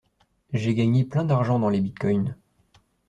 J'ai gagné plein d'argent dans les bitcoin.